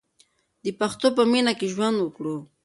د پښتو په مینه ژوند وکړو.